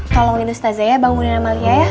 tolongin ustazah ya bangunin amalia ya